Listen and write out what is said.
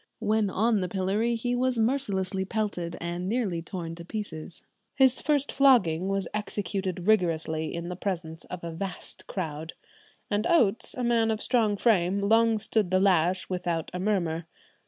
When on the pillory he was mercilessly pelted, and nearly torn to pieces. His first flogging was executed rigorously in the presence of a vast crowd, and Oates, a man of strong frame, long stood the lash without a murmur.